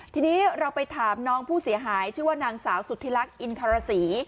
ทีนี้เราไปถามน้องผู้เสียหายชื่อว่านางสาวสุธิลักษ์อินทรศรี